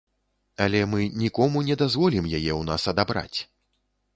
Але мы нікому не дазволім яе ў нас адабраць.